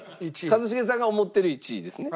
一茂さんが思ってる１位ですね？